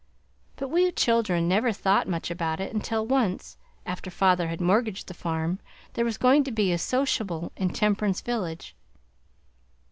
But we children never thought much about it until once, after father had mortgaged the farm, there was going to be a sociable in Temperance village.